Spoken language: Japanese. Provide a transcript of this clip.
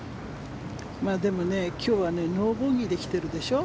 でも今日はノーボギーで来てるでしょ。